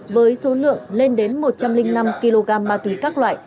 với số lượng lên đến một trăm linh năm kg ma túy các loại